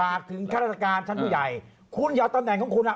ฝากถึงฆาตรการชั้นผู้ใหญ่คุณยาวตำแหน่งของคุณอ่ะ